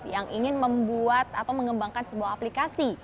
yang ingin membuat atau mengembangkan sebuah aplikasi